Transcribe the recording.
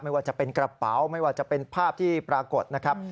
ไม่ว่าจะเป็นกระเป๋าไม่ว่าจะเป็นภาพที่ปรากฏนะครับ